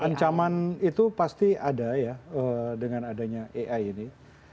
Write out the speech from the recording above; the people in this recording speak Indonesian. ancaman itu pasti ada ya dengan adanya ai ini